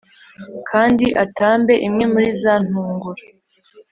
Kandi atambe imwe muri za ntungura